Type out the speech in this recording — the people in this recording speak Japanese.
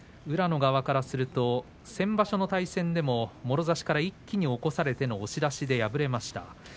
宇良の側からすると先場所の対戦でももろ差しから一気に起こされての押し出しで敗れました。